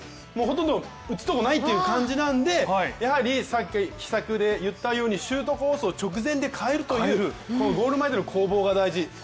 ほとんど打つところないっていう感じなんで、やはり秘策で言ったようにシュートコースを直前で変えるというゴール前での攻防が大事。